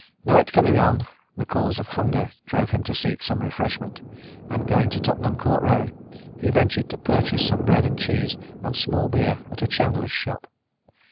Night coming on, the calls of hunger drove him to seek some refreshment, and going to Tottenham Court Road, he ventured to purchase some bread and cheese and small beer at a chandler's shop.